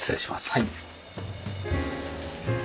はい。